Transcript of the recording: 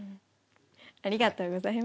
ありがとうございます。